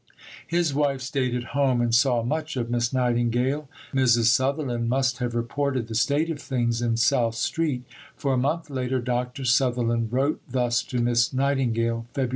His wife stayed at home and saw much of Miss Nightingale. Mrs. Sutherland must have reported the state of things in South Street; for a month later Dr. Sutherland wrote thus to Miss Nightingale (Feb.